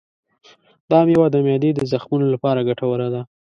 دا مېوه د معدې د زخمونو لپاره ګټوره ده.